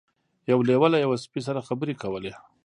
یو لیوه له یوه سپي سره خبرې کولې.